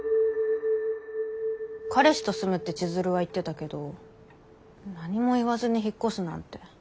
「彼氏と住む」って千鶴は言ってたけど何も言わずに引っ越すなんて。